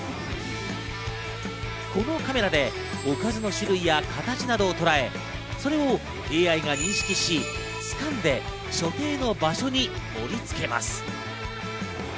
このカメラでおかずの種類や形などをとらえ、それをＡＩが認識し、掴んで、所定の場所に盛り付けます。